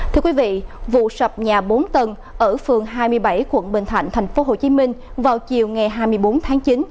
thưa quý vị vụ sập nhà bốn tầng ở phường hai mươi bảy quận bình thạnh tp hcm vào chiều ngày hai mươi bốn tháng chín